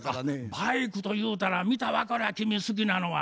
バイクとゆうたら見た分かるわ君好きなのは。